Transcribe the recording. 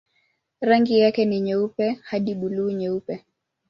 Rangi yake ni nyeupe hadi buluu-nyeupe.